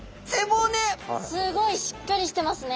すごいしっかりしてますね。